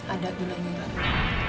ada gulanya untuk kamu